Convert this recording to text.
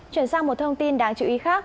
chuyển sang một thông tin đáng chú ý khác